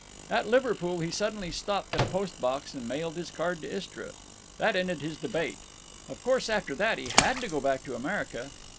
At Liverpool he suddenly stopped at a post box and mailed his card to Istra. That ended his debate. Of course after that he had to go back to America.